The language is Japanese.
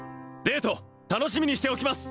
デート楽しみにしておきます！